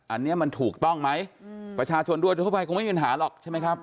อันนี้มันถูกต้องไหมประชาชนด้วยทั่วไปคงไม่มีปัญหาหรอกใช่ไหมครับ